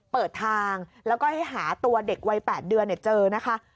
เปิดทางแล้วก็ให้หาตัวเด็กวัย๘เดือนเจอนะคะ